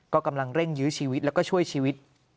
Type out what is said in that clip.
ก็กำลังเร่งยื้อชีวิตแล้วก็ช่วยชีวิต